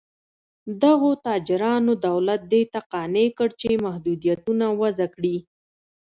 دغو تاجرانو دولت دې ته قانع کړ چې محدودیتونه وضع کړي.